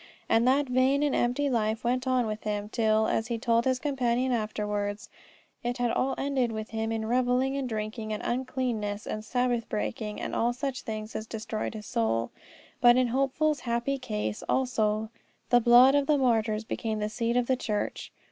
And that vain and empty life went on with him, till, as he told his companion afterwards, it had all ended with him in revelling, and drinking, and uncleanness, and Sabbath breaking, and all such things as destroyed his soul. But in Hopeful's happy case also the blood of the martyrs became the seed of the church.